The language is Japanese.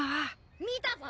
見たぞ！